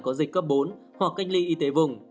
có dịch cấp bốn hoặc cách ly y tế vùng